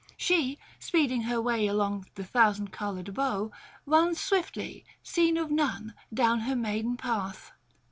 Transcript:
She, speeding her way along the thousand coloured bow, runs swiftly, seen of none, down her maiden path.